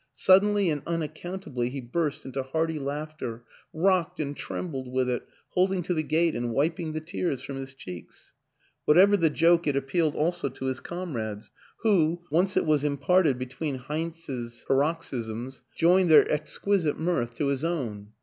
Suddenly and unaccount ably he burst into hearty laughter rocked and trembled with it, holding to the gate and wiping the tears from his cheeks. Whatever the joke it appealed also to his comrades, who, once it was imparted between Heinz's paroxysms, joined their 90 WILLIAM AN ENGLISHMAN exquisite mirth to his own.